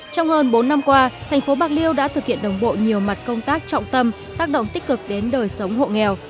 trong hơn bốn năm qua thành phố bạc liêu đã thực hiện đồng bộ nhiều mặt công tác trọng tâm tác động tích cực đến đời sống hộ nghèo